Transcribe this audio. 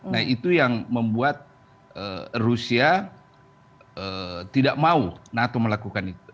nah itu yang membuat rusia tidak mau nato melakukan itu